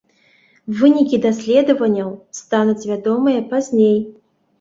Вынікі даследаванняў стануць вядомыя пазней.